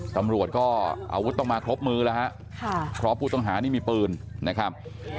ตำรวจก็อาวุธต้องมาครบมือแล้วฮะค่ะเพราะผู้ต้องหานี่มีปืนนะครับ